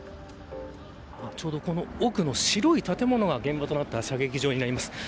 ちょうどこの奥の白い建物が現場となった射撃場です。